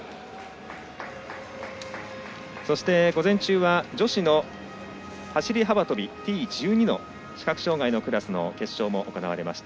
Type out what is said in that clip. そして午前中は女子の走り幅跳びＴ１２の視覚障がいのクラスの決勝も行われました。